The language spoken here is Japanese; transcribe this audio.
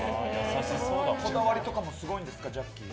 こだわりとかもすごいんですかジャッキー。